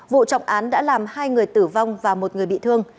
vụ trọng án đã làm hai người tử vong và một người bị thương